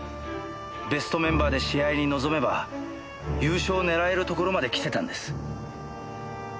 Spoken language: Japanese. ベストメンバーで試合に臨めば優勝を狙えるところまできてたんです。